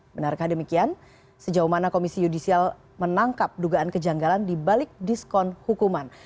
benarkah demikian sejauh mana komisi yudisial menangkap dugaan kejanggalan di balik diskon hukuman